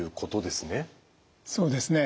そうですね。